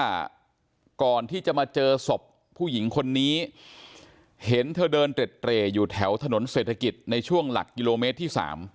ว่าก่อนที่จะมาเจอศพผู้หญิงคนนี้เห็นเธอเดินเตร็ดเตรอยู่แถวถนนเศรษฐกิจในช่วงหลักกิโลเมตรที่๓